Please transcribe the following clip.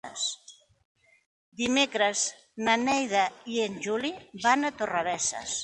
Dimecres na Neida i en Juli van a Torrebesses.